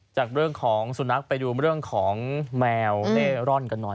จากเรื่องของสุนัขไปดูเรื่องของแมวเล่ร่อนกันหน่อย